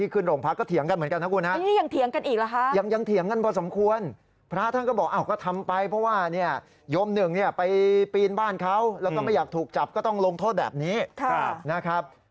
กินบ้านเขาแล้วก็ไม่อยากถูกจับก็ต้องลงโทษแบบนี้นะครับ